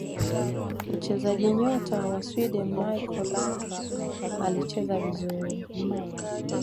mchezaji nyota wa sweden michael laundrap alicheza vizuri